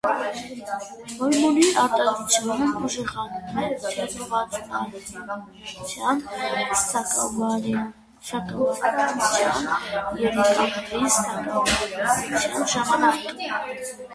Հորմոնի արտադրությունն ուժեղանում է թերթթվածնաարյունության, սակավարյունության, երիկամների սակավարյունության ժամանակ։